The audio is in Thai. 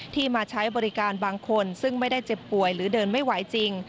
มาใช้บริการบางคนซึ่งไม่ได้เจ็บป่วยหรือเดินไม่ไหวจริง